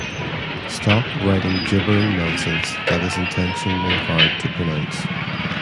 Stop writing jibbering nonsense that is intentionally hard to pronounce.